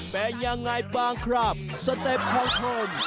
เป็นยังไงบ้างครับสเต็ปคอนโทน